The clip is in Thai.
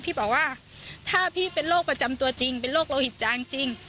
บอกว่าถ้าพี่เป็นโรคประจำตัวจริงเป็นโรคโลหิตจางจริง